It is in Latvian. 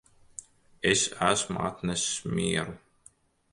Es esmu atnesis mieru